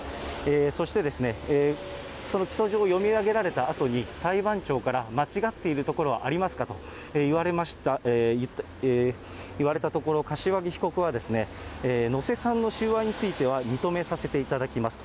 そして、その起訴状を読み上げられたあとに、裁判長から、間違っているところはありますか？と言われたところ、柏木被告は、のせさんの収賄については認めさせていただきますと。